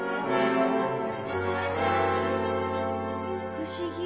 不思議。